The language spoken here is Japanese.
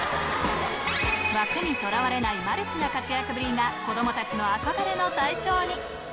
枠にとらわれない、マルチな活躍ぶりが、子どもたちのあこがれの対象に。